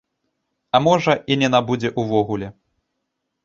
А можа, і не набудзе ўвогуле.